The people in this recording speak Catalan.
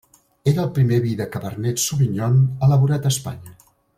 Era el primer vi de cabernet sauvignon elaborat a Espanya.